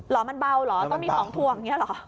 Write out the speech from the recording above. เหรอมันเบาเหรอต้องมีของถวงอย่างนี้เหรอ